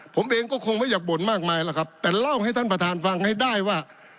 ผมเองก็คงไม่อยากบ่นมากมายหรอกครับแต่เล่าให้ท่านประธานฟังให้ได้ว่า